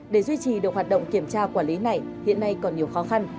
để duy trì được hoạt động kiểm tra quản lý này hiện nay còn nhiều khó khăn